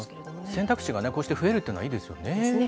選択肢がこうして増えるっていうのはいいですよね。